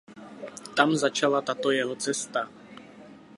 Tam začala tato jeho cesta.